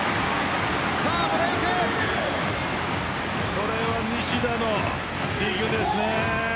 これは西田のディグです。